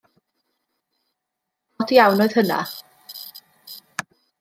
Od iawn oedd hynna.